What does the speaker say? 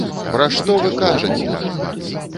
Пра што вы кажаце?!